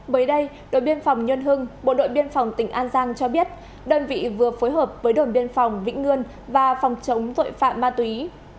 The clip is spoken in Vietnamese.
mới đây đội biên phòng nhân hưng bộ đội biên phòng tỉnh an giang cho biết đơn vị vừa phối hợp với đồn biên phòng vĩnh ngươn và phòng chống tội phạm ma túy